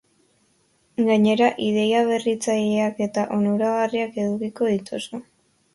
Gainera, ideia berritzaileak eta onuragarriak edukiko dituzu.